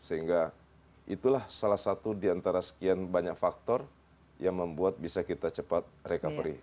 sehingga itulah salah satu di antara sekian banyak faktor yang membuat bisa kita cepat recovery